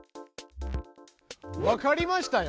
わかりましたよ。